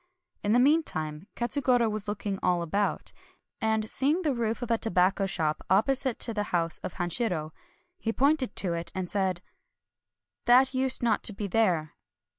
In the mean time, Katsugoro was looking all about ; and seeing the roof of a tobacco shop opposite to the house of Hanshiro, he pointed to it, and said :—" That used uot to be there."